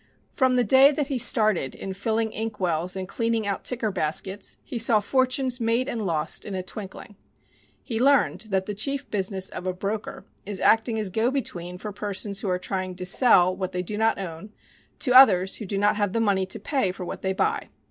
From the day that he started in filling inkwells and cleaning out ticker baskets, he saw fortunes made and lost in a twinkling. He learned that the chief business of a broker is acting as go between for persons who are trying to sell what they do not own to others who have not the money to pay for what they buy.